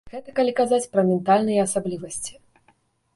Гэта калі казаць пра ментальныя асаблівасці.